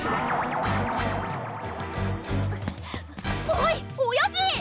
おいおやじ！